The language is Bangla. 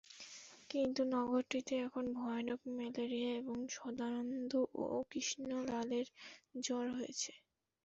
কিন্তু নগরটিতে এখন ভয়ানক ম্যালেরিয়া এবং সদানন্দ ও কৃষ্ণলালের জ্বর হয়েছে।